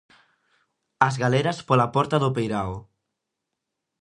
As galeras pola porta do peirao.